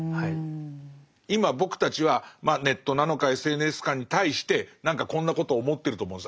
今僕たちはまあネットなのかＳＮＳかに対して何かこんなことを思ってると思うんです。